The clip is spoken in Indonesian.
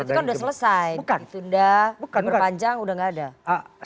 itu kan sudah selesai ditunda diperpanjang sudah tidak ada